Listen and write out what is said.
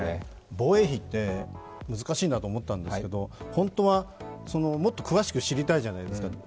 防衛費って難しいなと思ったんですけどホントはもっと詳しく知りたいじゃないですか。